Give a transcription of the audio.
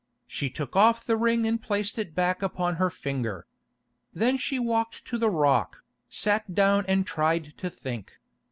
She took off the ring and placed it back upon her finger. Then she walked to the rock, sat down and tried to think.